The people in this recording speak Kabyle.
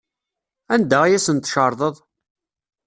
Anda ay asen-tcerḍeḍ?